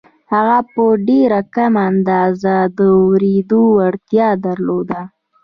هغه په ډېره کمه اندازه د اورېدو وړتيا درلوده.